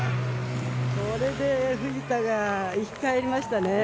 これで藤田が生き返りましたね。